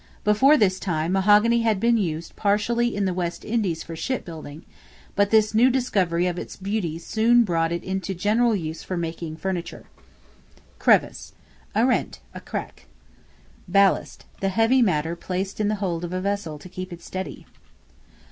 Before this time, mahogany had been used partially in the West Indies for ship building, but this new discovery of its beauty soon brought it into general use for making furniture. Crevice, a rent, a crack. Ballast, the heavy matter placed in the hold of a vessel to keep it steady.